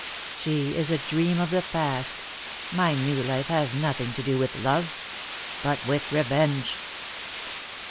"She is a dream of the past. My new life has nothing to do with love but with revenge."